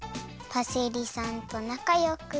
パセリさんとなかよく。